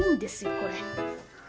これ。